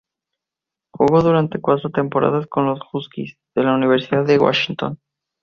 Jugó durante cuatro temporadas con los "Huskies" de la Universidad de Washington.